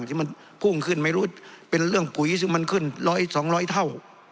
ที่มันพุ่งขึ้นไม่รู้เป็นเรื่องปุ๋ยซึ่งมันขึ้นร้อยสองร้อยเท่า